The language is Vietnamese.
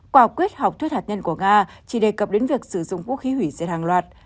quả quyết học thuyết hạt nhân của nga chỉ đề cập đến việc sử dụng vũ khí hủy diệt hàng loạt